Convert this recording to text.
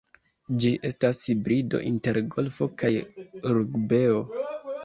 Ĝi estas hibrido inter golfo kaj rugbeo.